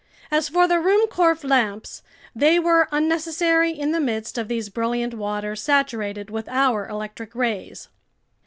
As for the Ruhmkorff lamps, they were unnecessary in the midst of these brilliant waters saturated with our electric rays.